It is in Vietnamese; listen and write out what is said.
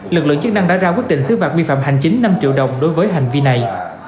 lực lượng chức năng đã ra quyết định xứ phạt vi phạm hành chính năm triệu đồng đối với hành vi này